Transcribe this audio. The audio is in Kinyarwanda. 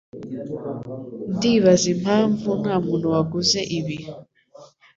Ndibaza impamvu ntamuntu waguze ibi.